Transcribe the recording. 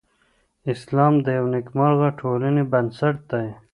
اسلام د یوې نېکمرغه ټولنې بنسټ دی.